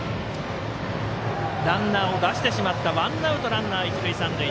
ランナーを出してしまったワンアウト、ランナー、一塁三塁。